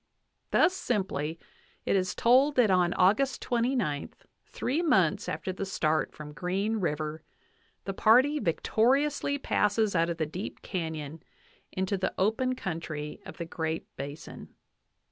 Thus simply is it told that on August 29, three months after the start from Green River, the party victoriously passes out of the deep canyon into the open coun try of the Great Basin.